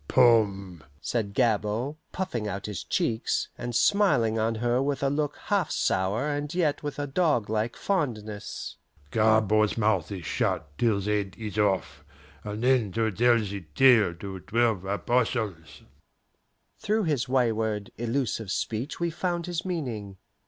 "Poom!" said Gabord, puffing out his cheeks, and smiling on her with a look half sour, and yet with a doglike fondness, "Gabord's mouth is shut till 's head is off, and then to tell the tale to Twelve Apostles!" Through his wayward, illusive speech we found his meaning.